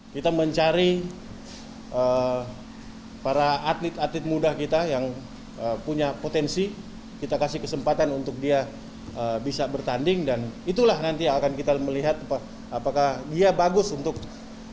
kita mencari para atlet atlet muda kita yang punya potensi kita kasih kesempatan untuk dia bisa bertanding dan itulah nanti akan kita melihat apakah dia bagus untuk